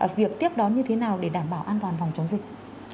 việc tiếp đón như thế nào để đảm bảo an toàn phòng chống dịch